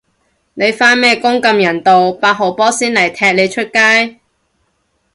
你返咩工咁人道，八號波先嚟踢你出街